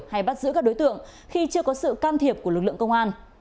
hay bắt giữ các đối tượng khi chưa có sự can thiệp của lực lượng công an